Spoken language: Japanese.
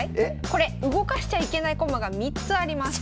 これ動かしちゃいけない駒が３つあります。